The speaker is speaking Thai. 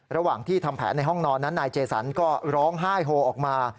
ระหว่างที่ทำแผนในห้องนอนนั้นนายเจสันก็ร้องไห้โฮออกมา